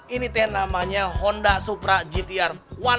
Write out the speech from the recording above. ini namanya honda supra gtr satu ratus lima puluh